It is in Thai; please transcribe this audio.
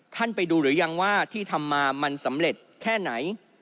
ท่านไปดูหรือยังว่าที่ทำมามันสำเร็จแค่ไหน